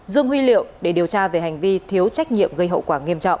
dương huy liệu để điều tra về hành vi thiếu trách nhiệm gây hậu quả nghiêm trọng